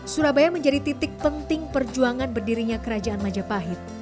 surabaya menjadi titik penting perjuangan berdirinya kerajaan majapahit